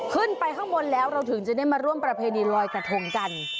ขึ้นไปข้างบนแล้วเราถึงจะได้มาร่วมประเพณีลอยกระทงกัน